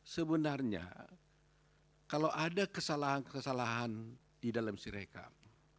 sebenarnya kalau ada kesalahan kesalahan di dalam sirekam